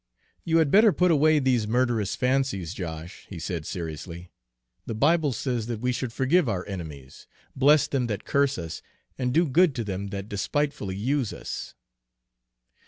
"You had better put away these murderous fancies, Josh," he said seriously. "The Bible says that we should 'forgive our enemies, bless them that curse us, and do good to them that despitefully use us.'"